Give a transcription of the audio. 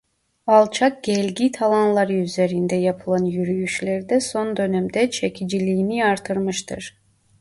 Alçak gelgit alanları üzerinde yapılan yürüyüşler de son dönemde çekiciliğini artırmıştır.